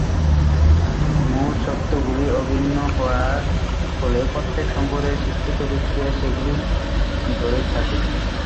মূল সত্যগুলি অভিন্ন হওয়ার ফলে প্রত্যেক সম্প্রদায়ের শিক্ষিত ব্যক্তিরা সেগুলিই ধরে থাকেন।